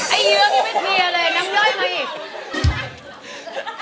ไอ้เยื้องยังไม่มีอะไรน้ำย่อยมันอีก